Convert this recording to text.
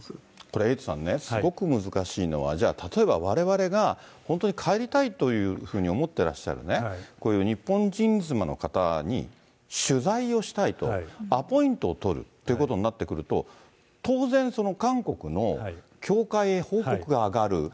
これ、エイトさんね、すごく難しいのは、じゃあ、例えば、われわれが本当に帰りたいというふうに思ってらっしゃるこういう日本人妻の方に取材をしたいと、アポイントを取るということになってくると、当然韓国の教会へ報告が上がる。